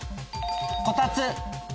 こたつ。